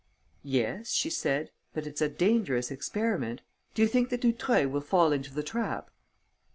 "Yes," she said, "but it's a dangerous experiment. Do you think that Dutreuil will fall into the trap?"